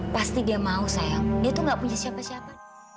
pasti dia mau sayang dia tuh gak punya siapa siapa